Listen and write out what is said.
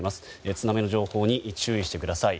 津波の情報に注意してください。